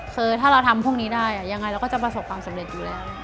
คือถ้าเราทำพวกนี้ได้ยังไงเราก็จะประสบความสำเร็จอยู่แล้ว